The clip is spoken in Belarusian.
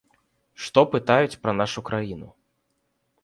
Што пытаюць пра нашу краіну?